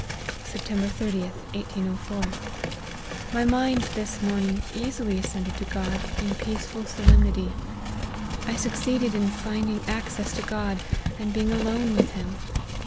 " Sept. 30/i, 1804. My mind, this morning, easily ascended to God, in peaceful solemnity. 1 succeeded in finding access to God, and being alone with him.